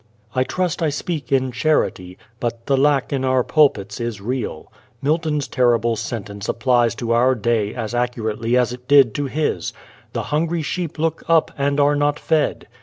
I trust I speak in charity, but the lack in our pulpits is real. Milton's terrible sentence applies to our day as accurately as it did to his: "The hungry sheep look up, and are not fed."